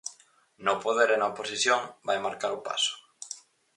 No poder e na oposición vai marcar o paso.